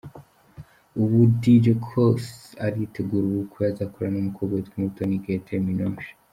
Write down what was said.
Ubu, Dj Cox aritegura ubukwe azakorana n’umukobwa witwa Umutoni Huguette Minouche.